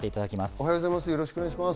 おはようございます。